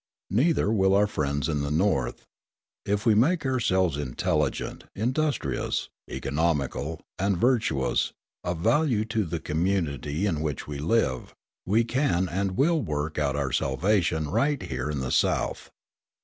Neither will our friends in the North. If we make ourselves intelligent, industrious, economical, and virtuous, of value to the community in which we live, we can and will work out our salvation right here in the South.